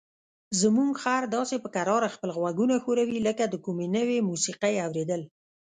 زموږ خر داسې په کراره خپل غوږونه ښوروي لکه د کومې نوې موسیقۍ اوریدل.